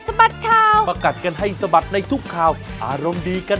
สวัสดีค่ะ